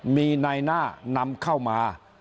มีนายหน้านำเข้ามา